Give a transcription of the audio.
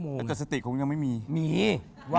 เห็นบอกไปขอพรกับสิ่งศักดิ์สิทธิ์ด้วย